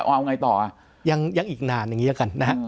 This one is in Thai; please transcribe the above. เอาไงต่อยังอีกนานอย่างนี้แล้วกันนะฮะ